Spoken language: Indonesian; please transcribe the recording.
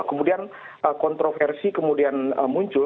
kemudian kontroversi kemudian muncul